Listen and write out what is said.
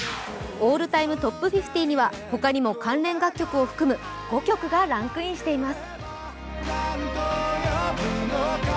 オールタイムＴＯＰ５０にはほかにも関連楽曲を含む５曲がランクインしています。